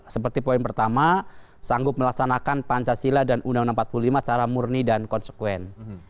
seperti poin pertama sanggup melaksanakan pancasila dan undang undang empat puluh lima secara murni dan konsekuen